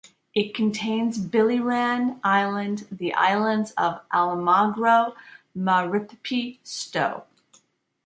It contains Biliran Island, the islands of Almagro, Maripipi, Sto.